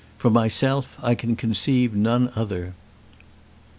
For myself I can conceive none other."